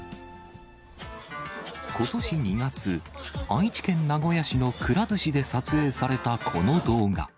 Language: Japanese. ことし２月、愛知県名古屋市のくら寿司で撮影されたこの動画。